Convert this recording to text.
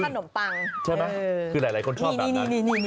ขนมปังใช่ไหมคือหลายคนชอบแบบนี้